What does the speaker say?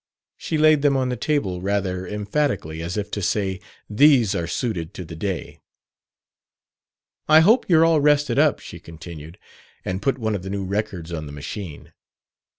She laid them on the table rather emphatically, as if to say, "These are suited to the day." "I hope you're all rested up," she continued, and put one of the new records on the machine.